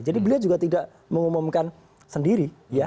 jadi beliau juga tidak mengumumkan sendiri